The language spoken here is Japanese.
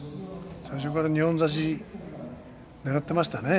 最初から二本差しねらっていましたね。